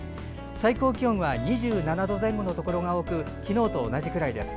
最高気温は２７度前後のところが多く昨日と同じくらいです。